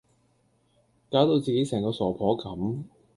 攪到自己成個傻婆咁